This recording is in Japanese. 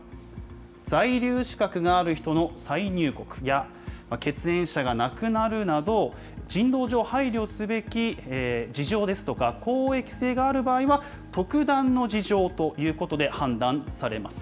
在留資格がある人の再入国や、血縁者が亡くなるなど、人道上配慮すべき事情ですとか公益性がある場合は、特段の事情ということで判断されます。